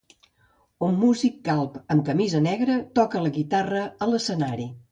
Un músic calb amb camisa negra toca la guitarra a l'escenari.